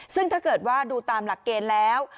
ซึ่งถ้าเกิดว่าดูตามหลักเกณฑ์แล้ว